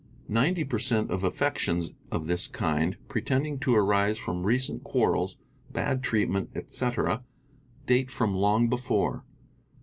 Ninety per cent. of affections of this kind, pretending to arise from recent quarrels, bad treatment, etc., date from long before.